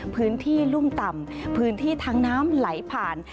พื้นที่รุ่มต่ำพื้นที่ทางน้ำไหลผ่าน